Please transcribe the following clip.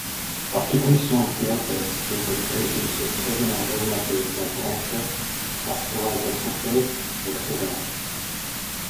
Occupational therapists work with patients with terminal illness like cancer, Muscular dystrophy, etc.